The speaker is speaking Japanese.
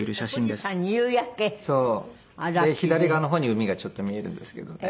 で左側の方に海がちょっと見えるんですけどね。